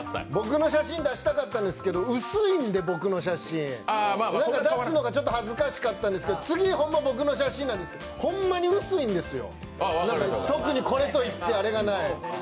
僕の写真出したかったんですけど、薄いんで何か出すのがちょっと恥ずかしかったんですけど、次、僕の写真で、ほんまに薄いんですよ、特にこれといってあれがない。